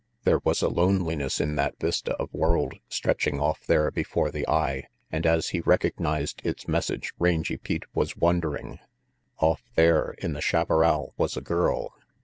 There was a loneliness in that vista of world stretching off there before the eye; and as he recog nized its message Rangy Pete was wondering. Off there in the chaparral was a girl.